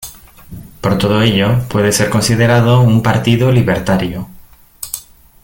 Por todo ello puede ser considerado un partido libertario.